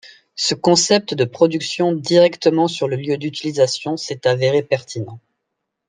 Ce concept de production directement sur le lieu d'utilisation s'est avéré pertinent.